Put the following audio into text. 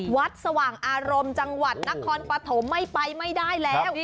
สว่างอารมณ์จังหวัดนครปฐมไม่ไปไม่ได้แล้ว